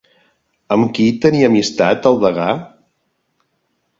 Amb qui tenia amistat el degà?